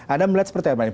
anda melihat seperti apa nih